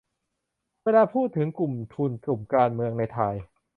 เวลาพูดถึง กลุ่มทุน กลุ่มการเมือง ในไทย